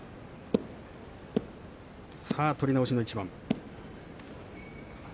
取り直しの一番。